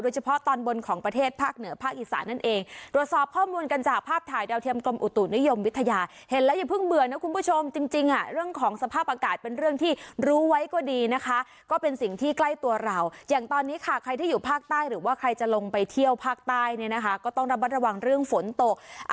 เฉพาะตอนบนของประเทศภาคเหนือภาคอีสานนั่นเองตรวจสอบข้อมูลกันจากภาพถ่ายดาวเทียมกรมอุตุนิยมวิทยาเห็นแล้วอย่าเพิ่งเบื่อนะคุณผู้ชมจริงจริงอ่ะเรื่องของสภาพอากาศเป็นเรื่องที่รู้ไว้ก็ดีนะคะก็เป็นสิ่งที่ใกล้ตัวเราอย่างตอนนี้ค่ะใครที่อยู่ภาคใต้หรือว่าใครจะลงไปเที่ยวภาคใต้เนี่ยนะคะก็ต้องระมัดระวังเรื่องฝนตก